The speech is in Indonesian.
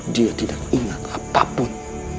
dia tidak ingat apapun